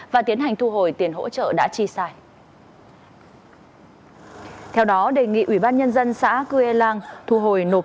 và tiến hành thu hồi tiền hỗ trợ đã chi sai theo đó đề nghị ủy ban nhân dân xã cư e làng thu hồi nộp